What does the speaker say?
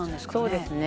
そうですね。